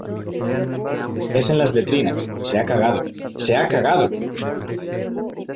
es en las letrinas. se ha cagado .¡ se ha cagado!